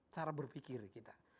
cara berpikir kita